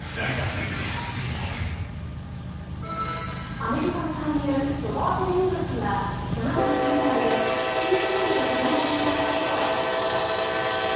アメリカの俳優ロバート・デ・ニーロさんが７９歳で７人目となる子どもが生まれたことを明かしました。